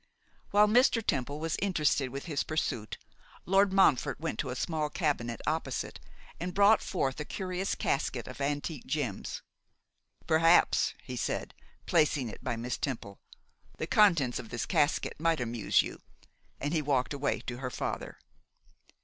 While Mr. Temple was interested with his pursuit, Lord Montfort went to a small cabinet opposite, and brought forth a curious casket of antique gems. 'Perhaps,' he said, placing it by Miss Temple, 'the contents of this casket might amuse you;' and he walked away to her father.